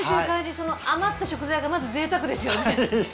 その余った食材がまず贅沢ですよね。